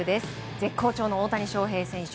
絶好調の大谷翔平選手。